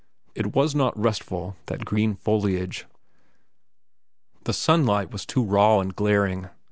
It was not restful, that green foliage. The sunlight was too raw and glaring.